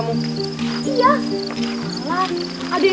apapun yang terjadi